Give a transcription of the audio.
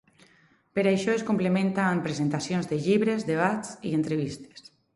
Per això es complementa amb presentacions de llibres, debats i entrevistes.